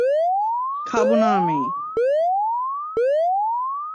খাবো না আমি।